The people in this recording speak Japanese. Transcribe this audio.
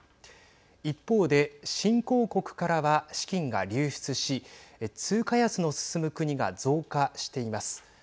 一方で新興国からは資金が流出し通貨安の進む国が増加しています。